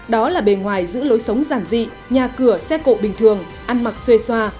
đó là bề ngoài giữ lối sống giản dị nhà cửa xe cộ bình thường ăn mặc xuê xoa